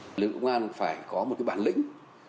lực lượng công an phải có một cái bản lĩnh